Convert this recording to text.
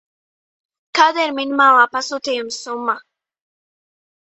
Kāda ir minimālā pasūtījuma summa?